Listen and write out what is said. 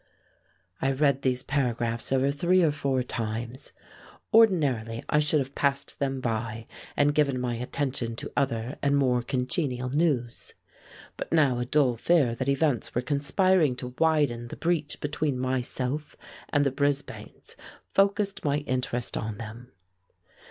I read these paragraphs over three or four times. Ordinarily I should have passed them by and given my attention to other and more congenial news. But now a dull fear that events were conspiring to widen the breach between myself and the Brisbanes focussed my interest on them.